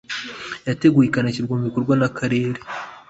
yateguwe ikanashyirwa mu bikorwa mu karere